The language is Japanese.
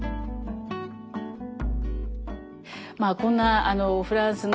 まあこんなフランスの。